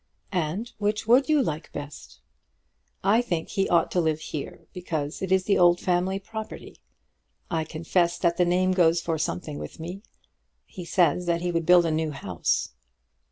"And which would you like best?" "I think he ought to live here because it is the old family property. I confess that the name goes for something with me. He says that he would build a new house."